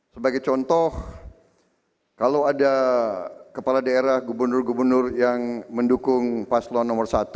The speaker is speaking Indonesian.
sebagai contoh kalau ada kepala daerah gubernur gubernur yang mendukung paslon nomor satu